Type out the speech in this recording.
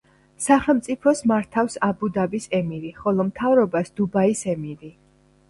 სახელმწიფოს მართავს აბუ-დაბის ემირი, ხოლო მთავრობას დუბაის ემირი.